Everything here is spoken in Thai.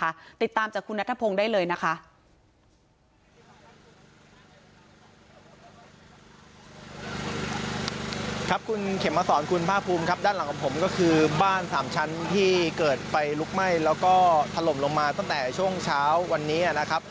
ครับคุณเข็มมาสอนคุณภาพูมครับด้านหลังของผมก็คือบ้านสามชั้นที่เกิดไปลุกไหม้แล้วก็ถล่มลงมาตั้งแต่ช่วงเช้าวันนี้นะครับ